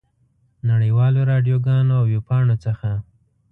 نړۍ والو راډیوګانو او ویبپاڼو څخه.